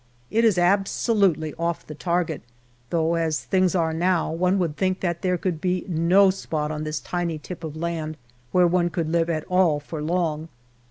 It is absolutely off the target, though, as things are now, one would think that there could be no spot on this tiny tip of land where one could live at all for long.